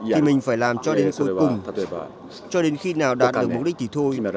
thì mình phải làm cho đến cuối cùng cho đến khi nào đạt được mục đích thì thôi